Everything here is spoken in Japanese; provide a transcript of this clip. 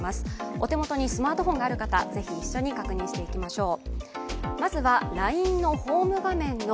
お手元にスマートフォンがある方、ぜひ一緒に確認していきましょう。